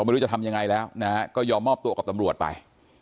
ไม่รู้จะทำยังไงแล้วก็ยอมมอบตัวกับตำรวจไป